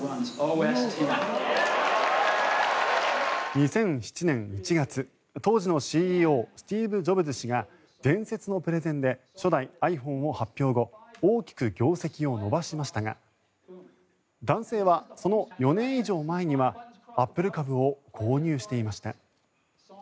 ２００７年１月当時のＣＥＯスティーブ・ジョブズ氏が伝説のプレゼンで初代ｉＰｈｏｎｅを発表後大きく業績を伸ばしましたが男性はその４年以上前にはアップル株を購入していました。